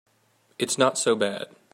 It's not so bad.